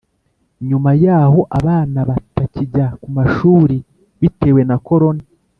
nyuma y’aho abana batakijya ku mashuri, bitewe na korona